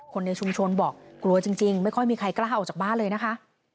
คนในชุมชนบอกกลัวจริงไม่ค่อยมีใครกล้าออกจากบ้านเลยนะคะ